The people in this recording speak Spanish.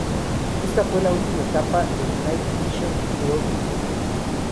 Esta fue la última etapa del "Night Visions: World Tour".